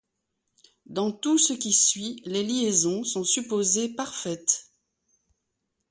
Dans tout ce qui suit, les liaisons sont supposées parfaites.